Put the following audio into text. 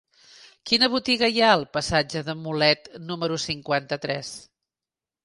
Quina botiga hi ha al passatge de Mulet número cinquanta-tres?